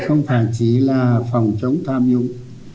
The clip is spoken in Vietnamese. không phản trí là phòng chống tham nhũng